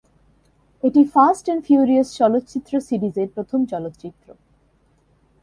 এটি Fast and Furious চলচ্চিত্র সিরিজের প্রথম চলচ্চিত্র।